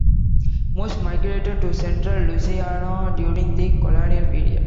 Most migrated to central Louisiana during the colonial period.